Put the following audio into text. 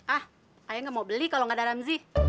ah ayah nggak mau beli kalau nggak ada ramsi